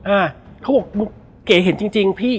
อ่าเขาบอกเก๋เห็นจริงพี่